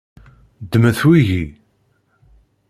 Ddmet wigi.